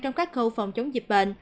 trong các khâu phòng chống dịch bệnh